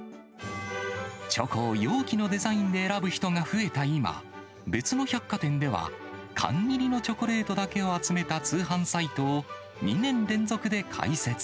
チョコを容器のデザインで選ぶ人が増えた今、別の百貨店では、缶入りのチョコレートだけを集めた通販サイトを、２年連続で開設。